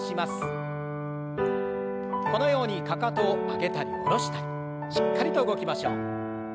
このようにかかとを上げたり下ろしたりしっかりと動きましょう。